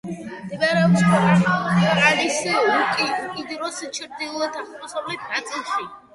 მდებარეობს ქვეყნის უკიდურეს ჩრდილო-აღმოსავლეთ ნაწილში.